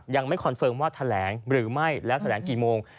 คอนเฟิร์มว่าแถลงหรือไม่แล้วแถลงกี่โมง